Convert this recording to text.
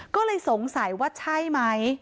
ก็เลยสงสัยว่าใช่ไหม